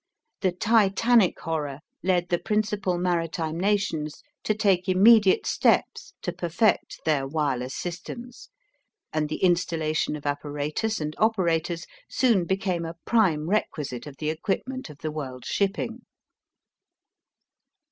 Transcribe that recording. The Titanic horror led the principal maritime nations to take immediate steps to perfect their wireless systems, and the installation of apparatus and operators soon became a prime requisite of the equipment of the world's shipping.